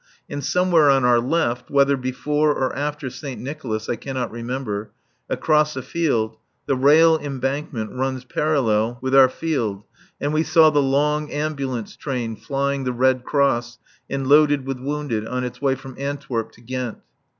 And somewhere on our left (whether before or after Saint Nicolas I cannot remember), across a field, the rail embankment ran parallel with our field, and we saw the long ambulance train, flying the Red Cross and loaded with wounded, on its way from Antwerp to Ghent.